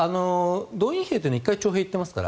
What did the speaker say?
動員というのは１回徴兵に行ってますから